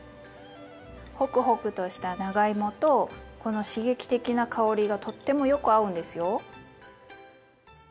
ホクホクとした長芋とこの刺激的な香りがとってもよく合うんですよ。